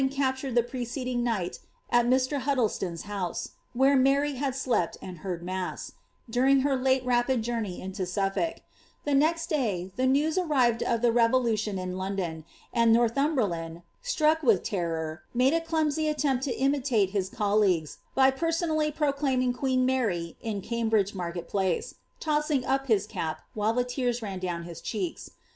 captured the preceding night at Mr. [Iiiddle5ton^$ house, where Mary had slept and heard mass, during her late rapid journey into Suffolk The next day, the news arrived of llie revolution in London ; and Xorsh umberland, struck with terror, nnade a clumsy attempt to imitate his col leagues, by personally proclaiming queen Mary, in Cambridge market place, tossing up his cap, while the tears ran down his cheeks.